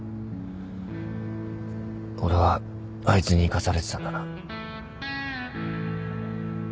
俺はあいつに生かされてたんだな。